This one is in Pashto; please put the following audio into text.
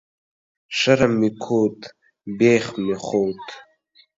شرم مې کوت ، بيخ مې خوت